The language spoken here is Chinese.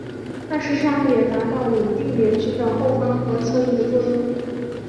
但事实上也达到稳定联军的后方和侧翼的作用。